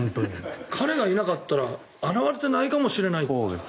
彼がいなかったら現れてないかもしれない。